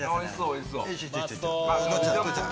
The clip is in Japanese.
おいしそう。